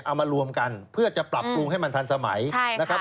เอามารวมกันเพื่อจะปรับปรุงให้มันทันสมัยนะครับ